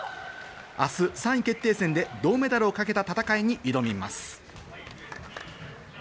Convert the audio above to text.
明日３位決定戦で銅メダルをかけた戦いに挑みます。